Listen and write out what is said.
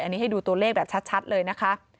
อันนี้ให้ดูตัวเลขแบบชัดเลยนะคะ